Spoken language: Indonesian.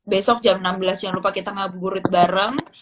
besok jam enam belas jangan lupa kita ngaburit bareng